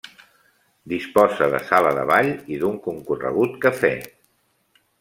Disposa de sala de ball i d'un concorregut cafè.